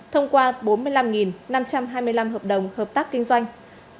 thông qua bốn mươi năm năm trăm hai mươi năm hợp đồng hợp tác kinh doanh